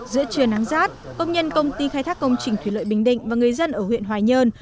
giữa trưa nắng rát công nhân công ty khai thác công trình thủy lợi bình định và người dân ở huyện hoài nhơn